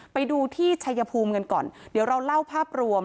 ไปดูที่ชัยภูมิกันก่อนเดี๋ยวเราเล่าภาพรวม